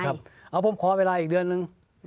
เอาผมขอเวลาอีกเดือนนึง